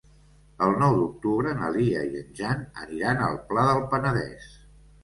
El nou d'octubre na Lia i en Jan aniran al Pla del Penedès.